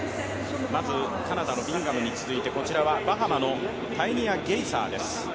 カナダのビンガムに続いてバハマのタイニア・ゲイザーです。